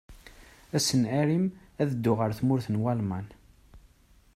Ass n Arim, ad dduɣ ar tmurt n Walman.